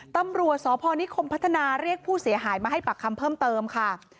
ตำรวจสพนิคมพัฒนาเรียกผู้เสียหายมาให้ปากคำเพิ่มเติมค่ะ